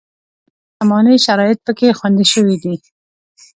خاص زماني شرایط پکې خوندي شوي دي.